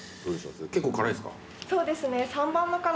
結構辛いですか？